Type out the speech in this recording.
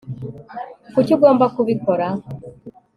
kuki ugomba kubikora